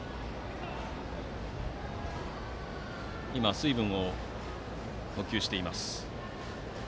水分を補給しています。